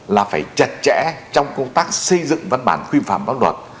là phải chặt chẽ trong công tác xây dựng văn bản quy phạm pháp luật